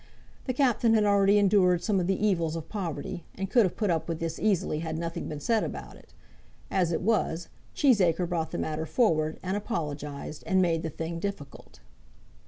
The Captain had already endured some of the evils of poverty, and could have put up with this easily had nothing been said about it. As it was, Cheesacre brought the matter forward, and apologized, and made the thing difficult.